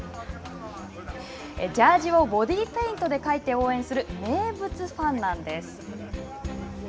ジャージをボディーペイントで描いて応援する名物ファンなんです。